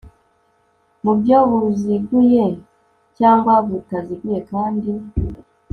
mu buryo buziguye cyangwa butaziguye kandi